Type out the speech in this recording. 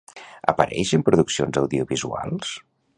Apareix en produccions audiovisuals?